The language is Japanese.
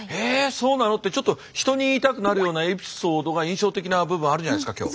そうなの？」ってちょっと人に言いたくなるようなエピソードが印象的な部分あるじゃないですか今日。